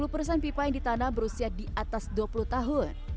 lima puluh persen pipa yang ditanam berusia di atas dua puluh tahun